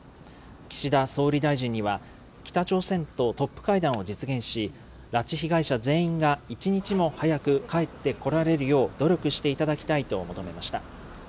岸田総理大臣には北朝鮮とトップ会談を実現し、拉致被害者全員が一日も早く帰ってこられるよう、努力していただきたいと求めました。